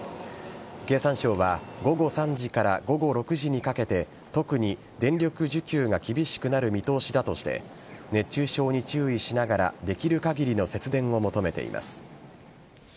経産省は午後３時午後６時にかけて特に電力需給が厳しくなる見通しだとして熱中症に注意しながらできる限りの節電を求めています。